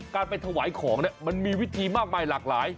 การไปถวายของเนี่ยมันมีวิธีมากมายหลากหลาย